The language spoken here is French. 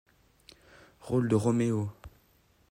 Rôle de Roméo.